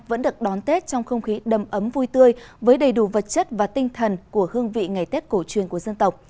vẫn được đón tết trong không khí đầm ấm vui tươi với đầy đủ vật chất và tinh thần của hương vị ngày tết cổ truyền của dân tộc